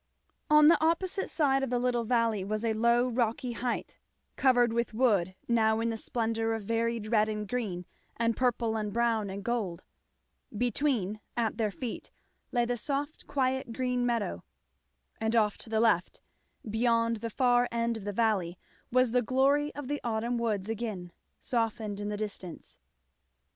On the opposite side of the little valley was a low rocky height, covered with wood, now in the splendour of varied red and green and purple and brown and gold; between, at their feet, lay the soft quiet green meadow; and off to the left, beyond the far end of the valley, was the glory of the autumn woods again, softened in the distance.